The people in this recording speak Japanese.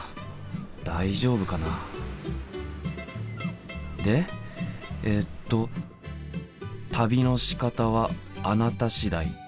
大丈夫かな？でえっと「旅のしかたはあなた次第。